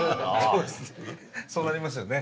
そうなりますよね。